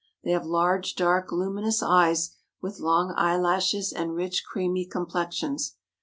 They have large, dark, luminous eyes with long eyelashes, and rich, creamy complexions.